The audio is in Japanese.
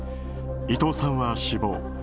伊藤さんは死亡。